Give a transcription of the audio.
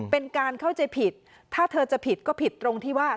เป็นการเข้าใจผิดถ้าเธอจะผิดก็ผิดตรงที่ว่า